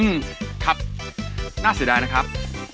ครับน่าเสียดายนะครับ